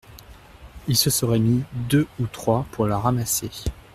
Ils se seraient mis deux ou trois pour la ramasser.